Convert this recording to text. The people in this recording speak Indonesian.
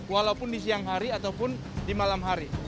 walaupun di siang hari ataupun di malam hari